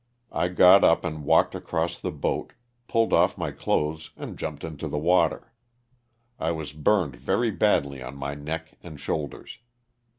I got up, and walked across the boat, pulled off my clothes and jumped into the water. I was burned very badly on my neck and shoulders.